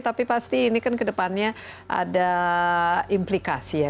tapi pasti ini kan kedepannya ada implikasi ya